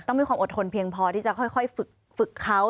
มีความอดทนเพียงพอที่จะค่อยฝึกเขา